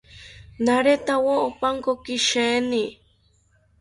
Naretawo opankoki sheeni